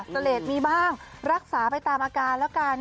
เสลดมีบ้างรักษาไปตามอาการแล้วกัน